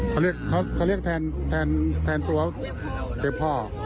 เขาเรียกแทนตัวเป็นพ่อ